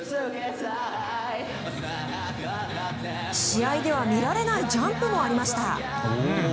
試合では見られないジャンプもありました。